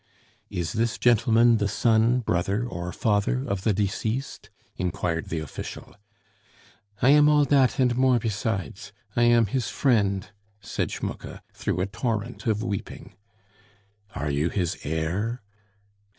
"Is this gentleman the son, brother, or father of the deceased?" inquired the official. "I am all dat and more pesides I am his friend," said Schmucke through a torrent of weeping. "Are you his heir?"